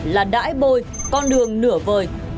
là đãi bồi con đường nửa vời